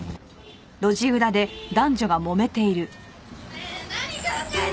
ねえ何考えてんの！？